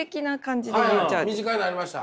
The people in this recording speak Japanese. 身近になりました！